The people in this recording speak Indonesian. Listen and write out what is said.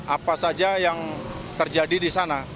apa saja yang terjadi di sana